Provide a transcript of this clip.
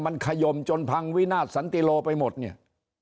มันขยมจนพังวินาทสันติโลไปหมดเนี่ย